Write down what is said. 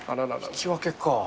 引き分けか。